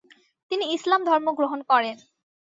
তিনি ইসলাম ধর্ম গ্রহণ করেন।